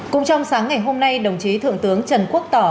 cũng trong sáng ngày hôm nay đồng chí thượng tướng trần quốc tỏ